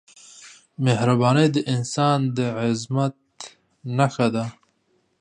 مهرباني د انسان د عظمت نښه ده.